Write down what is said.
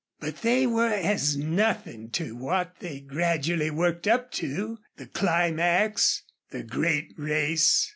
But they were as nothing to what they gradually worked up to the climax the great race.